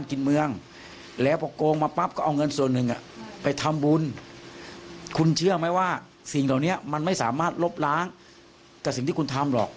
คุณเชื่อไหมว่าสิ่งเหล่านี้มันไม่สามารถลบล้างกับสิ่งที่คุณทำหรอก